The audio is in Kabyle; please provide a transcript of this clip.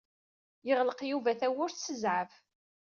Yeɣleq Yuba tawwurt s zzɛaf.